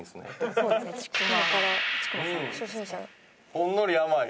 ほんのり甘い。